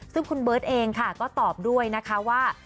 ซึ่งคุณเบิร์ตเองค่ะก็ตอบด้วยนะคะว่า